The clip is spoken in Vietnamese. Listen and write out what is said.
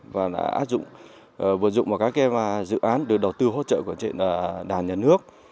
và đã áp dụng vượt dụng vào các dự án được đầu tư hỗ trợ của đảng nhà nước